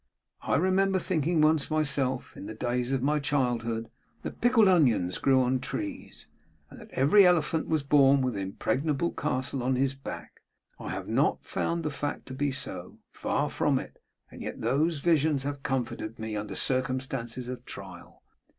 I remember thinking once myself, in the days of my childhood, that pickled onions grew on trees, and that every elephant was born with an impregnable castle on his back. I have not found the fact to be so; far from it; and yet those visions have comforted me under circumstances of trial.